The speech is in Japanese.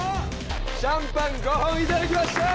シャンパン５本いただきました！